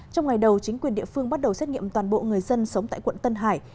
trong ngày đầu chính quyền địa phương bắt đầu xét nghiệm toàn bộ người dân sống tại quận tân hải